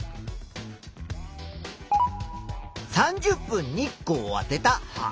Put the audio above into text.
３０分日光をあてた葉。